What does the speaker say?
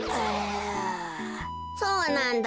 「そうなんだ。